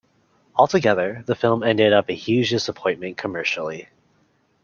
Altogether, the film ended up a huge disappointment, commercially.